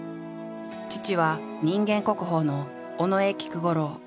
父は人間国宝の尾上菊五郎。